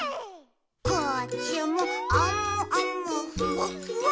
「こっちもあむあむふわっふわ」